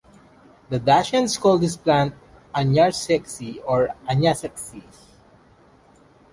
The Dacians called this plant "aniarsexe" or "aniassexie".